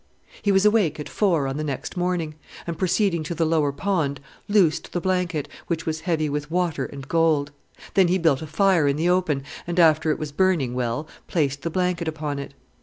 He was awake at four on the next morning, and, proceeding to the lower pond, loosed the blanket, which was heavy with water and gold. Then he built a fire in the open, and after it was burning well placed the blanket upon it.